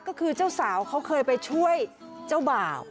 ก็คือเจ้าสาวเขาเคยไปช่วยเจ้าบ่าว